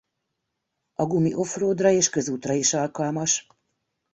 A gumi off-roadra és közútra is alkalmas.